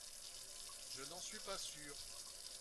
Je n’en suis pas sûre